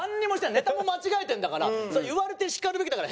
ネタも間違えてるんだから言われてしかるべきだから。